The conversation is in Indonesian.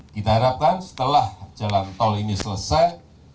kita harapkan setelah jalan tol ini selesai